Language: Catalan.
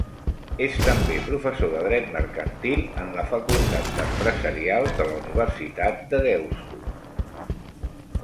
És també professor de Dret Mercantil en la Facultat d'Empresarials de la Universitat de Deusto.